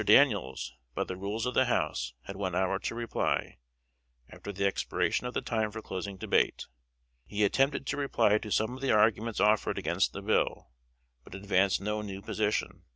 Daniels, by the rules of the House, had one hour to reply, after the expiration of the time for closing debate. He attempted to reply to some of the arguments offered against the bill, but advanced no new position.